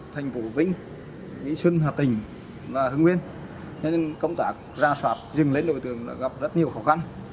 thành từng góp ba tiền án về tội trụng cấp tài sản